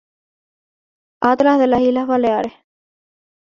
Atlas de las islas Baleares.